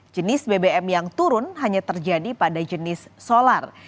jenis bbm yang turun hanya terjadi pada jenis solar